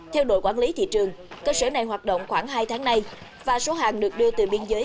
theo đội quản lý thị trường cơ sở này hoạt động khoảng hai tháng nay và số hàng được đưa từ biên giới